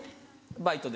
バイトで。